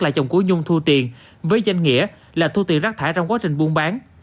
là chồng của dung thu tiền với danh nghĩa là thu tiền rác thải trong quá trình buôn bán